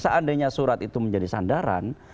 seandainya surat itu menjadi sandaran